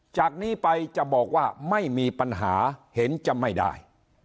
จากนี้ไปจะบอกว่าไม่มีปัญหาเห็นจะไม่ได้